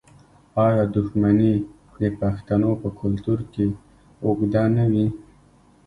آیا دښمني د پښتنو په کلتور کې اوږده نه وي؟